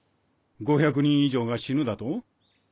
５００人以上が死ぬだと？